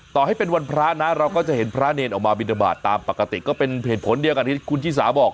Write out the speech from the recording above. ต่อให้เป็นวันพระนะเราก็จะเห็นพระเนรออกมาบินทบาทตามปกติก็เป็นเหตุผลเดียวกับที่คุณชิสาบอก